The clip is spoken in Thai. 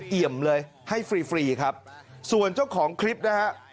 เอี่ยมเลยให้ฟรีฟรีครับส่วนเจ้าของคลิปนะฮะ